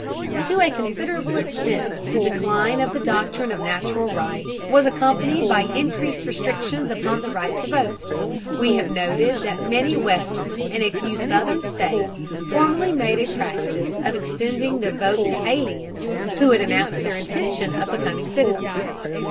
To a considerable extent the decline of the doctrine of natural rights was accompanied by increased restrictions upon the right to vote. We have noted that many western and a few southern states formerly made a practice of extending the vote to aliens who had announced their intention of becoming citizens.